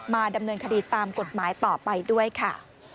ดำเนินคดีตามกฎหมายต่อไปด้วยค่ะ